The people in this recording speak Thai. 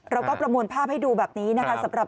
เราก็ประมวลภาพให้ดูแบบนี้นะคะ